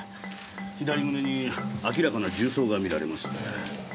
左胸に明らかな銃創が見られます。